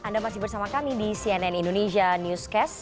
anda masih bersama kami di cnn indonesia newscast